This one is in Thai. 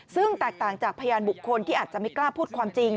ซึ่งแตกต่างจากพยานบุคคลที่อาจจะไม่กล้าพูดความจริง